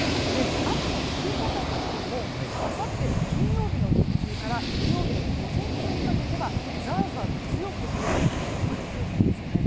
雨の降り方としてもあさって金曜日の日中から土曜日の午前中にかけてはザーザーと強く降るようなこともありそうなんですね。